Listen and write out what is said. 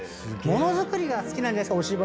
ものづくりが好きなんじゃない？